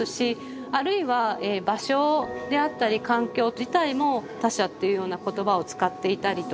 あるいは場所であったり環境自体も他者というような言葉を使っていたりとか。